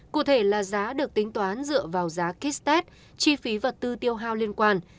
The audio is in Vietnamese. cụ thể là giá được tính toán dựa vào giá kết tết chi phí vật tư tiêu hào liên quan